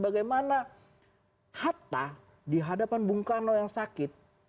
bagaimana hatta di hadapan bung karno yang sakit